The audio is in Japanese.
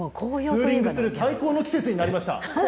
ツーリングする最高の季節になりました。